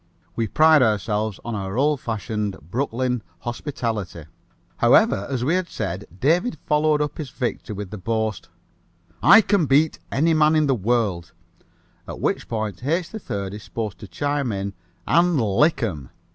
We pride ourselves on our old fashioned Brooklyn hospitality. However, as we had said, David followed up his victory with the boast, "I can beat any man in the world," at which point H. 3rd is supposed to chime in, "And lick 'em."